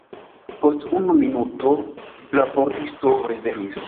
Post unu minuto la pordisto revenis.